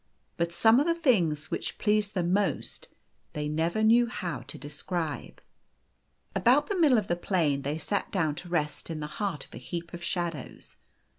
But some of the things which pleased them most they never knew how to describe. About the middle of the plain they sat down to rest in the heart of a heap of shadows.